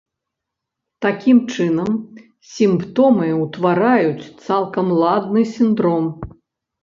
Такім чынам, сімптомы ўтвараюць цалкам ладны сіндром.